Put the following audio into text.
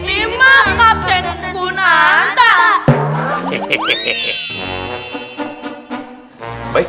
iya sudah bambang